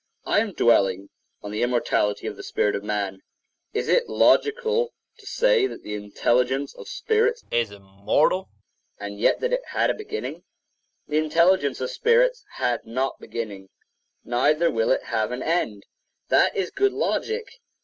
I am dwelling on the immortality of the spirit of man. Is it logical to say that the intelligence of spirits is immortal, and yet that it had a beginning? The intelligence of spirits had not beginning, neither will it have an end. That is good logic.